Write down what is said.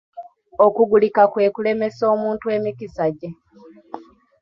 Okugulika kwe kulemesa omuntu emikisa gye.